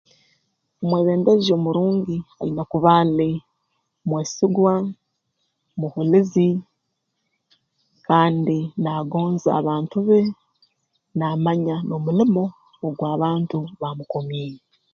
Omwebembezi omurungi aine kuba ali mwesigwa muhulizi kandi naagonza abantu be naamanya n'omulimo ogw'abantu baamukomiire